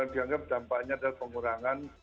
dianggap dampaknya ada pengurangan